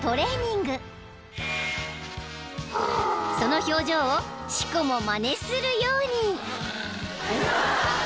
［その表情をシコもまねするように］